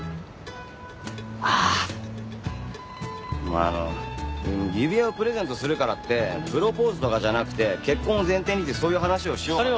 もうあの指輪をプレゼントするからってプロポーズとかじゃなくて結婚を前提にってそういう話をしようと。